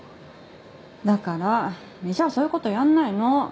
だから医者はそういうことやんないの。